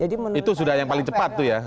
itu sudah yang paling cepat tuh ya